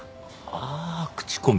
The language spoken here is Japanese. ああ口コミ。